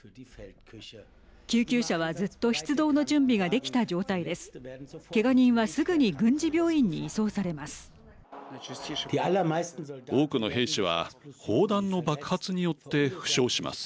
救急車はずっと出動の準備ができた状態です。